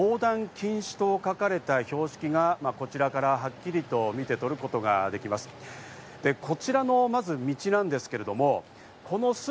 向こう側には横断禁止と書かれた標識がこちらからはっきりと見て取ることができます。